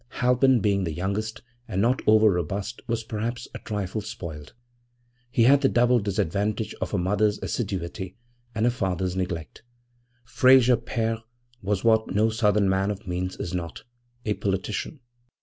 Halpin being the youngest and not over robust was perhaps a trifle 'spoiled.' He had the double disadvantage of a mother's assiduity and a father's neglect. Frayser pere was what no Southern man of means is not a politician.